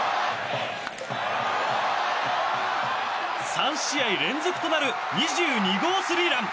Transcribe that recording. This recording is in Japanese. ３試合連続となる２２号スリーラン！